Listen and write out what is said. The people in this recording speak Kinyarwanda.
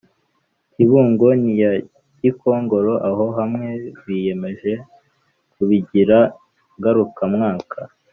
Kibungo n’iya Gikongoro aho hamwe biyemeje kubigira ngarukamwaka